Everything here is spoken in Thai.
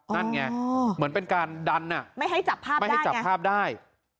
นั่นไงเหมือนเป็นการดันอ่ะไม่ให้จับภาพได้